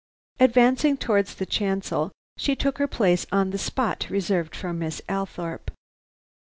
Advancing towards the chancel, she took her place on the spot reserved for Miss Althorpe.